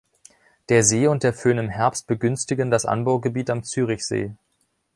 Der See und der Föhn im Herbst begünstigen das Anbaugebiet am Zürichsee.